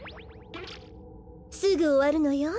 すぐおわるのよ。